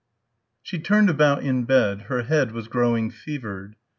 6 She turned about in bed; her head was growing fevered.